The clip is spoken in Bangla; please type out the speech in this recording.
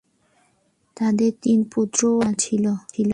তাদের তিন পুত্র ও এক কন্যা ছিল।